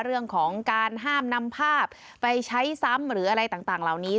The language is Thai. เรื่องของการห้ามนำภาพไปใช้ซ้ำหรืออะไรต่างเหล่านี้